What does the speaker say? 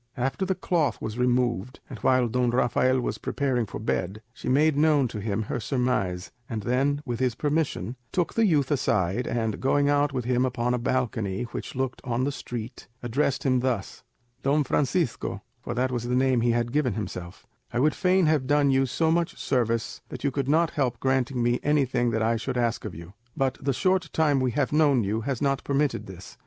After the cloth was removed, and while Don Rafael was preparing for bed, she made known to him her surmise, and then, with his permission, took the youth aside, and, going out with him upon a balcony which looked on the street, addressed him thus:— "Don Francisco," for that was the name he had given himself, "I would fain have done you so much service that you could not help granting me anything that I should ask of you; but the short time we have known you has not permitted this.